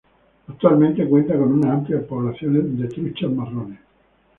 Actualmente cuenta con una amplia población de truchas marrones.